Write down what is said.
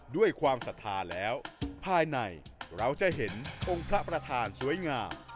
ด้วยความศรัทธาแล้วภายในเราจะเห็นองค์พระประธานสวยงาม